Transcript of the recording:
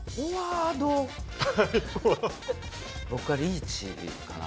僕はリーチかな。